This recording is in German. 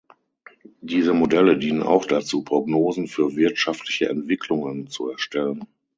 Diese Modelle dienen auch dazu, Prognosen für wirtschaftliche Entwicklungen zu erstellen.